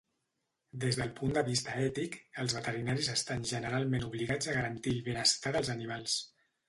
Des del punt de vista ètic, els veterinaris estan generalment obligats a garantir el benestar dels animals.